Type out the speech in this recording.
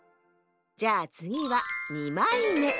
じゃあつぎは２まいめ。